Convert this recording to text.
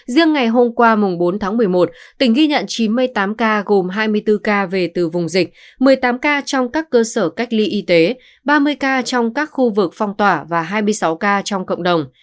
riêng ngày hôm qua bốn tháng một mươi một tỉnh ghi nhận chín mươi tám ca gồm hai mươi bốn ca về từ vùng dịch một mươi tám ca trong các cơ sở cách ly y tế ba mươi ca trong các khu vực phong tỏa và hai mươi sáu ca trong cộng đồng